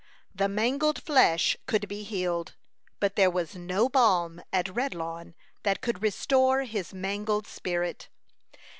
The mangled flesh could be healed, but there was no balm at Redlawn that could restore his mangled spirit.